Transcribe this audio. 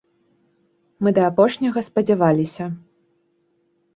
Мы да апошняга спадзяваліся.